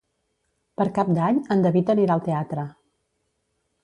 Per Cap d'Any en David anirà al teatre.